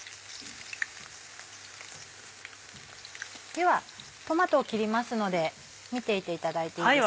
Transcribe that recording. ではトマトを切りますので見ていていただいていいですか？